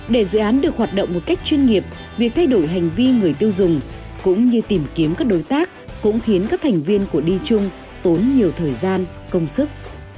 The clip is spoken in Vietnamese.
để dự án được hoạt động một cách chuyên nghiệp việc thay đổi hành vi người tiêu dùng cũng như tìm kiếm các đối tác cũng khiến các thành viên của d chung tốn nhiều thời gian công sức